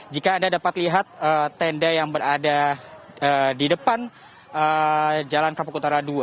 jika anda dapat lihat tenda yang berada di depan jalan kapuk utara dua